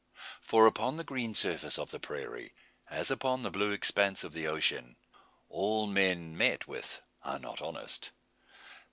For upon the green surface of the prairie, as upon the blue expanse of the ocean, all men met with are not honest.